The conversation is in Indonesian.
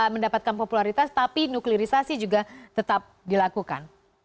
mendapatkan popularitas tapi nuklirisasi juga tetap dilakukan